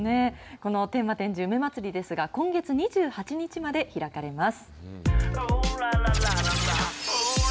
このてんま天神梅まつりですが、今月２８日まで開かれます。